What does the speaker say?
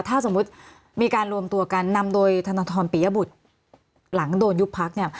ถ้าสมมุติมีการรวมตัวกันนำโดยธนทรปิยบุตรหลังโดนยุบพักเนี่ย